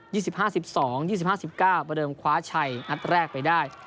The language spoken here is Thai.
สิบห้าสิบสองยี่สิบห้าสิบเก้าประเดิมคว้าชัยนัดแรกไปได้